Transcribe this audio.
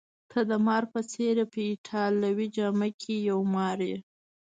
ته د مار په څېر يې، په ایټالوي جامه کي یو مار یې.